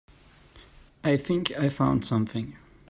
I think I found something.